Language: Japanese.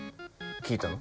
聞いたの？